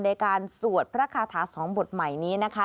สวดพระคาถา๒บทใหม่นี้นะคะ